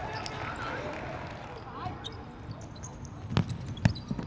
สวัสดีครับทุกคน